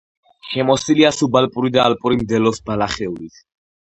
შემოსილია სუბალპური და ალპური მდელოს ბალახეულით.